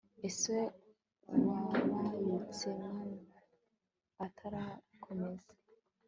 ese wabayute mn atarakomeza